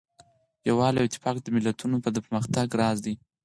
یووالی او اتفاق د ملتونو د پرمختګ راز دی.